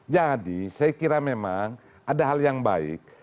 jadi saya kira memang ada hal yang baik